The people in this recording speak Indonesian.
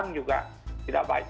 infeksi ulang juga